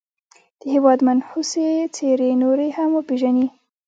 د هېواد منحوسي څېرې نورې هم وپېژني.